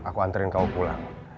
aku anterin kamu pulang